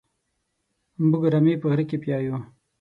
موږ رمې په غره کې پيايو.